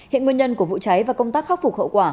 hiện nguyên nhân của vụ cháy và công tác khắc phục hậu quả